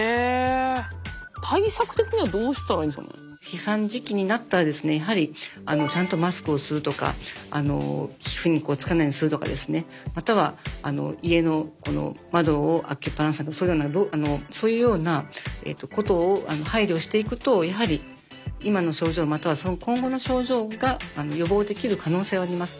飛散時期になったらですねやはりちゃんとマスクをするとか皮膚につかないようにするとかですねまたは家の窓を開けっ放さないそういうようなことを配慮していくとやはり今の症状または今後の症状が予防できる可能性はあります。